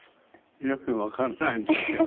よくわからないんだけど。